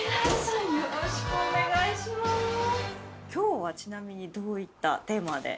今日はちなみにどういったテーマで？